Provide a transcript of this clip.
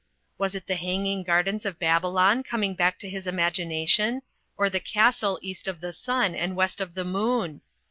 Was it the Hanging Gardens of Babylon coming back to his imagination ; or the Castle East of the Sun and West of the Moon?